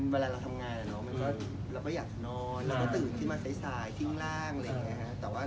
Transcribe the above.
เวลาเราทำงานเราก็อยากนอน